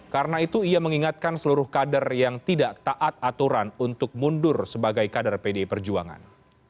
karena itu ia mengingatkan seluruh kader yang tidak taat aturan untuk mundur sebagai kader pdi perjuangan